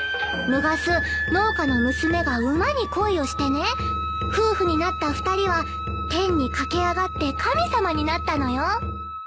むがす農家の娘が馬に恋をしてね夫婦になった２人は天に駆け上がって神様になったのよ。